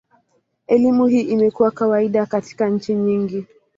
Elimu hii imekuwa kawaida katika nchi nyingi.